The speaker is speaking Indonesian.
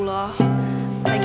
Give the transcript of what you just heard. ya pak haji